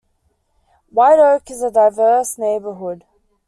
White Oak is a diverse neighborhood.